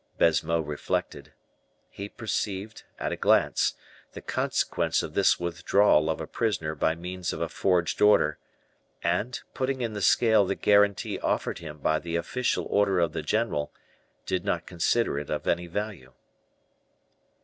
Baisemeaux reflected; he perceived, at a glance, the consequence of this withdrawal of a prisoner by means of a forged order; and, putting in the scale the guarantee offered him by the official order of the general, did not consider it of any value.